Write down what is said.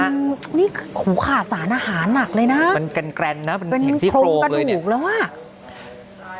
โอ้โหนี่ขูขาดสารอาหารหนักเลยนะมันแกนนะมันเห็นซี่โครงเลยเนี่ยเป็นโครงกระดูกแล้วอะ